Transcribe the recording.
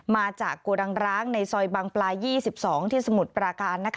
มาจากโกดังร้างในซอยบางปลา๒๒ที่สมุทรปราการ